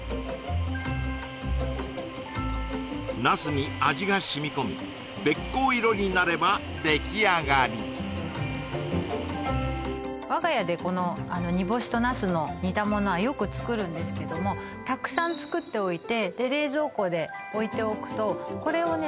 ナスに味がしみこみべっ甲色になれば出来上がり我が家でこの煮干しとナスの煮たものはよく作るんですけどもたくさん作っておいて冷蔵庫で置いておくとこれをね